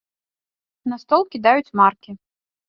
На стол кідаюць маркі.